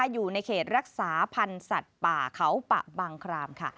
อยู่ในเขตรักษาพันธ์สัตว์ป่าเขาปะบังครามค่ะ